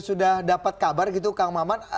sudah dapat kabar gitu kang maman